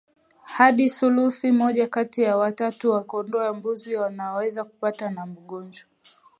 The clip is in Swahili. hadi thuluthi moja kati ya watatu ya kondoo na mbuzi wanaweza kupatwa na ugonjwa